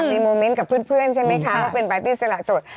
ให้มุ่นเม็ดกับเพื่อนใช่ไหมครับเป็นปาร์ตี้สละโสด